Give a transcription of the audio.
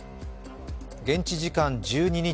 現地時間１２日